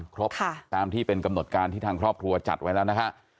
ครบตามที่เป็นกำหนดการที่ทางครอบครัวจัดไว้แล้วนะฮะ